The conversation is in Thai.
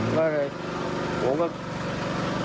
ก็เลยผมก็